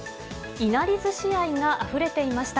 いなりずし愛があふれていました。